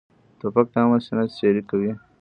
توپک د امن سینه څیرې کوي.